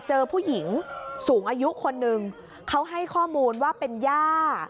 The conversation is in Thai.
เจอผู้หญิงสูงอายุคนหนึ่งเขาให้ข้อมูลว่าเป็นย่า